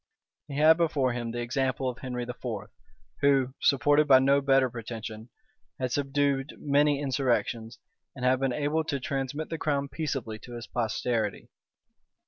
He had before him the example of Henry IV., who, supported by no better pretension, had subdued many insurrections, and had been able to transmit the crown peaceably to his posterity.